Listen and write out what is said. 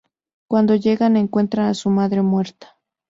Cuando llegan, encuentran a su madre muerta.